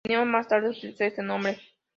Linneo más tarde utilizó este nombre.